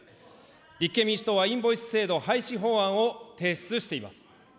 立憲民主党はインボイス制度廃止法案を提出しています。